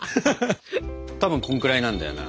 たぶんこんくらいなんだよな。